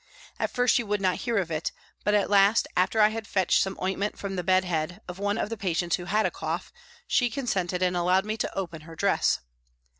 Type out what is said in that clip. At first she would not hear of it, but at last, after I had fetched some ointment from the bed head of one of the patients who had a cough, she consented and allowed me to open her dress.